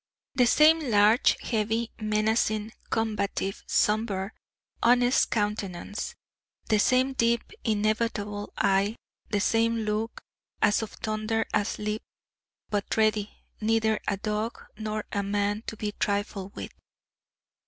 The same large, heavy, menacing, combative, sombre, honest countenance, the same deep inevitable eye, the same look as of thunder asleep, but ready neither a dog nor a man to be trifled with.